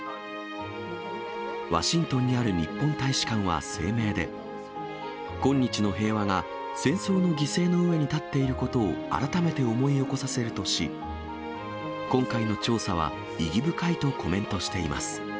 ワシントンにある日本大使館は声明で、今日の平和が戦争の犠牲の上に立っていることを改めて思い起こさせるとし、今回の調査は、意義深いとコメントしています。